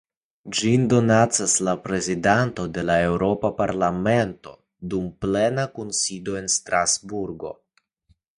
Ĝin donacas la Prezidanto de la Eŭropa Parlamento dum plena kunsido en Strasburgo.